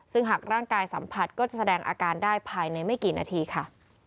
ซึ่งหากร่างกายสัมผัสก็จะแสดงอาการได้ภายในไม่กี่นาทีค่ะ